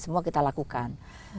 semua kita lakukan